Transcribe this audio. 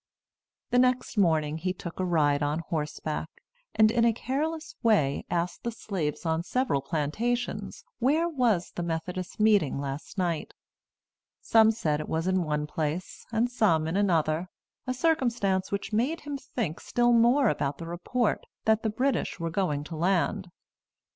The next morning, he took a ride on horseback, and in a careless way asked the slaves on several plantations where was the Methodist meeting last night. Some said it was in one place, and some in another, a circumstance which made him think still more about the report that the British were going to land.